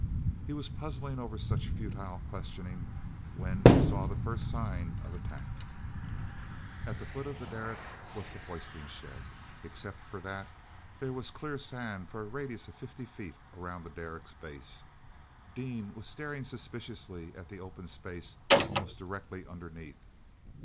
He was puzzling over such futile questioning when he saw the first sign of attack. t the foot of the derrick was the hoisting shed. Except for that, there was clear sand for a radius of fifty feet around the derrick's base. Dean was staring suspiciously at that open space almost directly underneath.